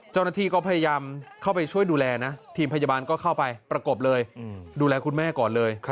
เจ้าหน้าที่ก็พยายามเข้าไปช่วยดูแลนะทีมพยาบาลก็เข้าไปประกบเลยดูแลคุณแม่ก่อนเลย